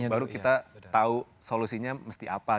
baru kita tau solusinya mesti apa gitu